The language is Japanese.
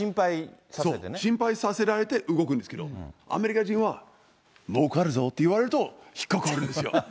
心配させられて動くんですけど、アメリカ人はもうかるぞって言われると引っ掛かるんですよ。